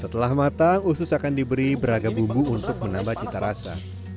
setelah matang usus akan diberi beragam bumbu untuk menambah cita rasa